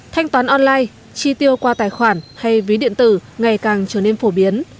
thanh toán online chi tiêu qua tài khoản hay ví điện tử ngày càng trở nên phổ biến